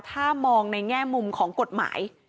ถ้ามองในแง่มุมของกฎหมาย